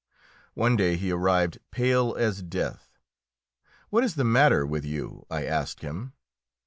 One day he arrived pale as death. "What is the matter with you?" I asked him.